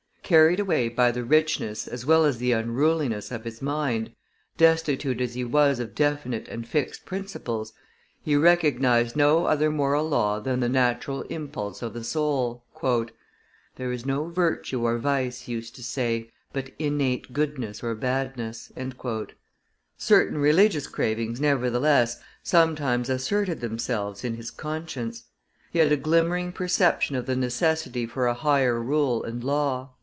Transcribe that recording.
Carried away by the richness as well as the unruliness of his mind, destitute as he was of definite and fixed principles, he recognized no other moral law than the natural impulse of the soul. "There is no virtue or vice," he used to say, "but innate goodness or badness." Certain religious cravings, nevertheless, sometimes: asserted themselves in his conscience: he had. a glimmering perception of the necessity for a higher rule and law.